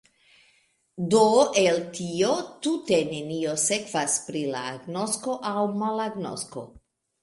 Do el tio tute nenio sekvas pri la agnosko aŭ malagnosko.